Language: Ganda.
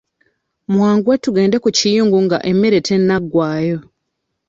Mwanguwe tugende ku kiyungu nga emmere tennaggwayo.